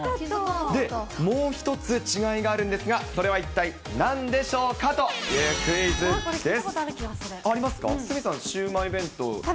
もう１つ違いがあるんですが、それは一体なんでしょうかというクイズです。